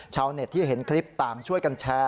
ชาวเน็ตที่เห็นคลิปต่างช่วยกันแชร์